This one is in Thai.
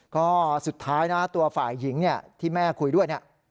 ก็สุดท้ายนะตัวฝ่ายหญิงเนี่ยที่แม่คุยด้วยเนี่ย